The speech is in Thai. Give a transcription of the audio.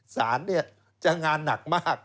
สารจะงานหนักมาก